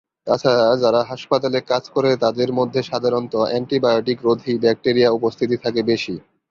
তাছাড়া যারা হাসপাতালে কাজ করে তাদের মধ্যে সাধারণত আন্টিবায়োটিক-রোধী ব্যাক্টেরিয়া উপস্থিতি থাকে বেশি।